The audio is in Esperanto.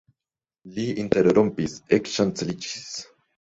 Li interrompis, ekŝanceliĝis.